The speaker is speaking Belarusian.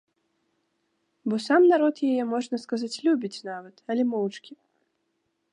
Бо сам народ яе, можна сказаць, любіць нават, але моўчкі.